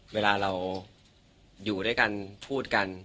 เวลาเราอยู่ด้วยกันพูดกัน